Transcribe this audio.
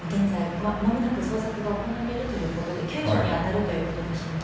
まもなく捜索が行われるということで救助に当たるということでしたね。